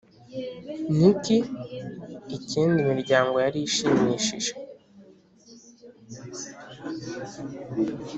nicky icyenda imiryango yari ishimishije,